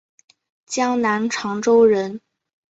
江南长洲人。